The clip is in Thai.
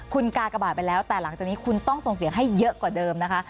คุณกากบาทไปแล้วแต่หลังจากนี้คุณต้องส่งเสียงให้เยอะกว่าเดิมนะคะ